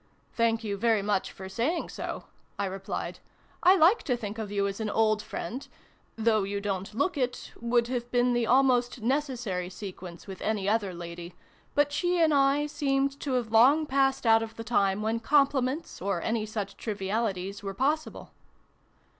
" Thank you very much for saying so," I replied. " I like to think of you as an old friend," (<{ though you don't look it !" would have been the almost necessary sequence, with any other lady ; but she and I seemed to have long passed out of the time when compliments, or any such trivialities, were possible.)